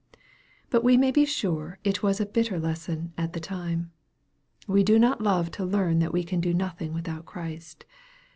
But we may be sure it was a bitter lesson at the time. We do not love to learn that we can do nothing without Christ.